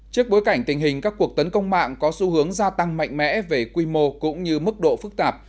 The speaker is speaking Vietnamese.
trước bối cảnh tình hình các cuộc tấn công mạng có xu hướng gia tăng mạnh mẽ về quy mô cũng như mức độ phức tạp